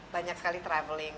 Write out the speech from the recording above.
banyak sekali traveling